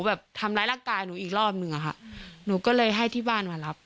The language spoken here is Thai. แบบทำร้ายร่างกายหนูอีกรอบหนึ่งอะค่ะหนูก็เลยให้ที่บ้านมารับ